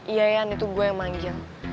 iya yan itu gue yang manja